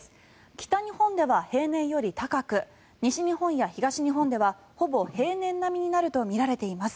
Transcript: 北日本では平年より高く東日本や西日本ではほぼ平年並みになるとみられています。